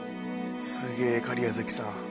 すげえ假屋崎さん。